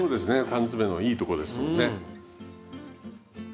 缶詰のいいとこですよね。